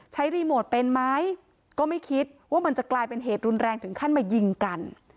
รีโมทเป็นไหมก็ไม่คิดว่ามันจะกลายเป็นเหตุรุนแรงถึงขั้นมายิงกัน